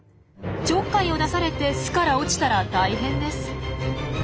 ちょっかいを出されて巣から落ちたら大変です。